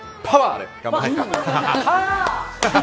パワー！